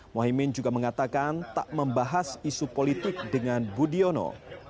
mohaimin juga mengatakan tak membahas isu politik dengan budiono